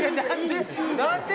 何で？